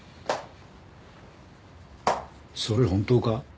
それ本当か？